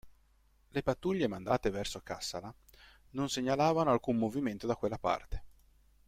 Le pattuglie mandate verso Cassala non segnalavano alcun movimento da quella parte.